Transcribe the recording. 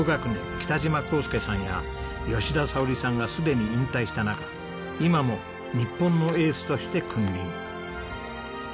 北島康介さんや吉田沙保里さんがすでに引退した中今も日本のエースとして君臨。